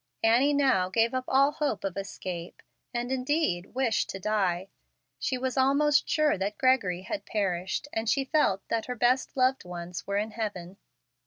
Annie now gave up all hope of escape, and indeed wished to die. She was almost sure that Gregory had perished, and she felt that her best loved ones were in heaven.